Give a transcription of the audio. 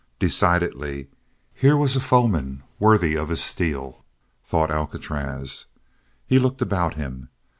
Decidedly here was a foeman worthy of his steel, thought Alcatraz. He looked about him.